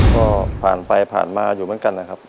ก็ผ่านไปผ่านมาอยู่เหมือนกันนะครับ